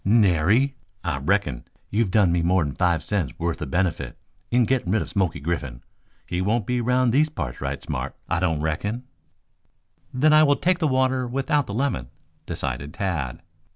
"Nary! I reckon you've done me more'n five cents' worth of benefit in getting rid of Smoky Griffin. He won't be around these parts right smart, I don't reckon." "Then I will take the water without the lemon," decided Tad.